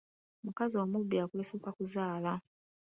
Omukazi omubi akwesooka kuzaala.